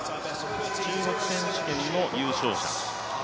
中国選手権の優勝者。